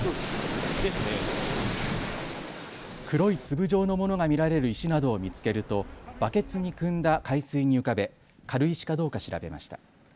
黒い粒状のものが見られる石などを見つけるとバケツにくんだ海水に浮かべ軽石かどうか調べました。